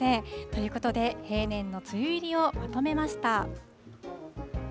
ということで、平年の梅雨入りをまとめました。